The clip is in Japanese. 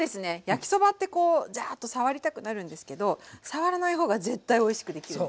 焼きそばってこうジャーッと触りたくなるんですけど触らない方が絶対おいしくできるんですよ。